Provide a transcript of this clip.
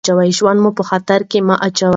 ژوند مو په خطر کې مه اچوئ.